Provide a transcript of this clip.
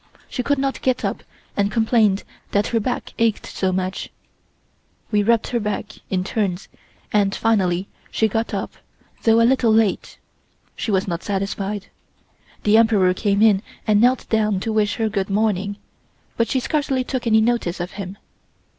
She could not get up and complained that her back ached so much. We rubbed her back, in turns, and finally she got up, though a little late. She was not satisfied. The Emperor came in and knelt down to wish her good morning, but she scarcely took any notice of him.